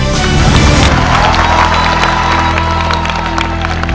คุณฝนจากชายบรรยาย